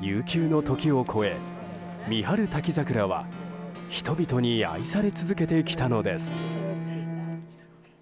悠久の時を越え、三春滝桜は人々に愛され続けてきたのです。